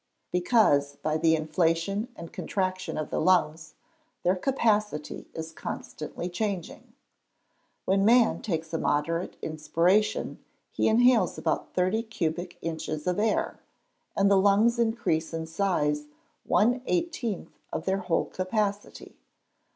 _ Because, by the inflation and contraction of the lungs, their capacity is constantly changing. When man takes a moderate inspiration, he inhales about thirty cubic inches of air, and the lungs increase in size one eighteenth of their whole capacity.